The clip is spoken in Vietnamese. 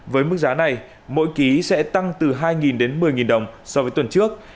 với mức giá này mỗi ký sẽ tăng từ hai đến một mươi đồng so với tuần trước